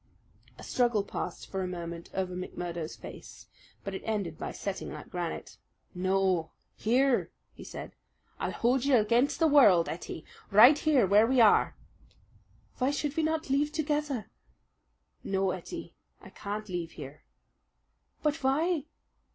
A struggle passed for a moment over McMurdo's face; but it ended by setting like granite. "No, here," he said. "I'll hold you against the world, Ettie, right here where we are!" "Why should we not leave together?" "No, Ettie, I can't leave here." "But why?"